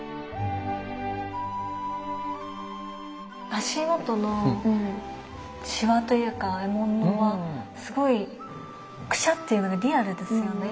足元のしわというか衣紋はすごいくしゃっていうのがリアルですよね。